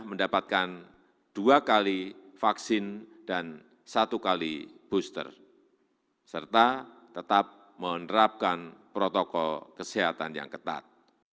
menerapkan protokol kesehatan yang ketat